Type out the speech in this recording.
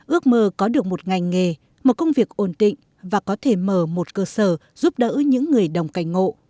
ước mơ có được một ngành nghề một công việc ổn định và có thể mở một cơ sở giúp đỡ những người đồng cành ngộ